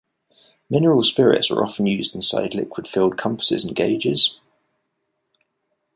Mineral spirits are often used inside liquid-filled compasses and gauges.